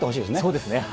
そうですね。